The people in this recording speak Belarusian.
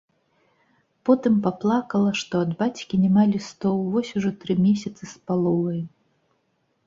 Потым паплакала, што ад бацькі няма лістоў вось ужо тры месяцы з паловаю.